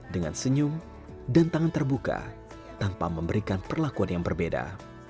dengan senyum dan tangan terbuka tanpa memberikan perlakuan yang berbeda